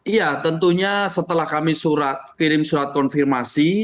iya tentunya setelah kami kirim surat konfirmasi